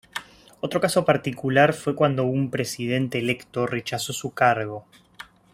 Otro caso particular fue cuando un presidente electo rechazó su cargo.